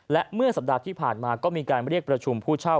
และเมื่อสัปดาห์ที่ผ่านมาก็มีการเรียกประชุมผู้เช่า